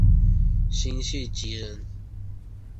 辛弃疾人。